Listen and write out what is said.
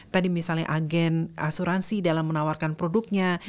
tadi misalnya agen asuransi dalam menawarkan produknya